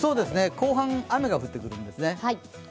後半雨が降ってくるんですね。